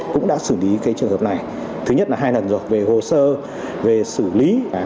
cũng đã xử lý cái trường hợp này thứ nhất là hai lần rồi về hồ sơ về xử lý